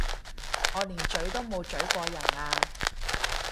我連咀都冇咀過人啊！